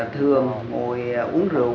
thường ngồi uống rượu